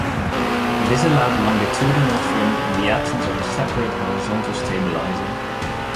This allowed longitudinal trim in the absence of a separate horizontal stabiliser.